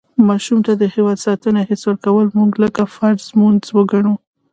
ماشوم ته د هېواد ساتنې حس ورکول مونږ لکه فرض لمونځ وګڼو.